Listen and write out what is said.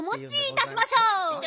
いたしましょう。